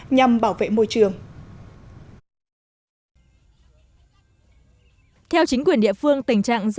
nhằm bảo vệ môi trường